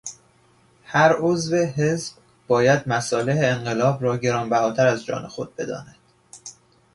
هر عضو حزب باید مصالح انقلاب را گرانبهاتر از جان خود بداند.